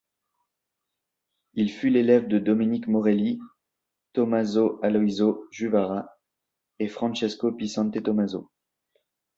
Il fut l'élève de Domenic Morelli, Tommaso Aloisio Juvara et Francesco Pisante Tommaso.